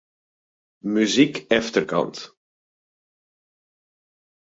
Muzyk efterkant.